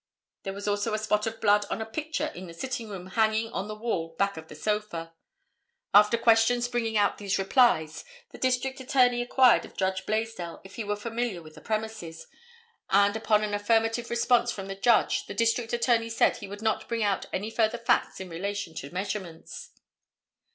There was also a spot of blood on a picture in the sitting room hanging on the wall back of the sofa. After questions bringing out these replies the District Attorney inquired of Judge Blaisdell if he were familiar with the premises, and upon an affirmative response from the Judge the District Attorney said he would not bring out any further facts in relation to measurements.